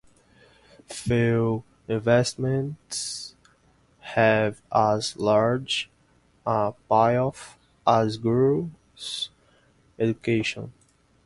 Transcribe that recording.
Few investments have as large a payoff as girls’ education.